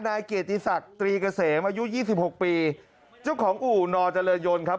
นายเกติศักดิ์ตรีเกษมอายุ๒๖ปีเจ้าของอู่นจรยนต์ครับ